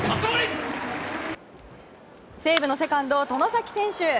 西武のセカンド、外崎選手。